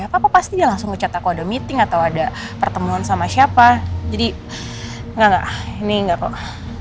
kalau ada apa apa pasti dia langsung nge chat aku ada meeting atau ada pertemuan sama siapa jadi nggak nggak ini nggak kok